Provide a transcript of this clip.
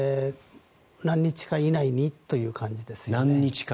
何日か以内にという感じですね。